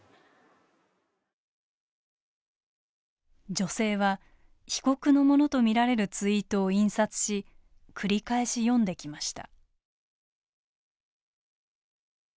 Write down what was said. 女性は被告のものとみられるツイートを印刷し繰り返し読んできました。